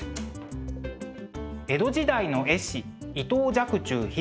江戸時代の絵師伊藤若冲筆